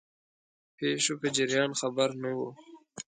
پیښو په جریان خبر نه وو.